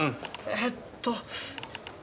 えっと。